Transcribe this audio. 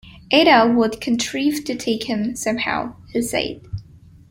Ada would contrive to take him, somehow, he said.